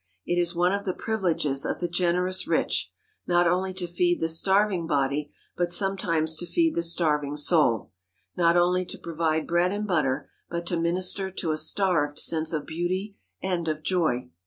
It is one of the privileges of the generous rich, not only to feed the starving body but sometimes to feed the starving soul, not only to provide bread and butter but to minister to a starved sense of beauty and of joy.